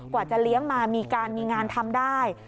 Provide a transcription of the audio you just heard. กว่าจะเลี้ยงมามีการมีงานทำได้